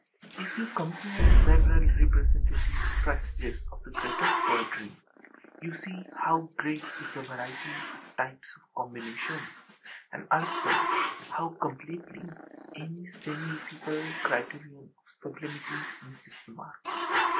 If you compare several representative passages of the greatest poetry you see how great is the variety of types of combination, and also how completely any semi ethical criterion of âsublimityâ misses the mark.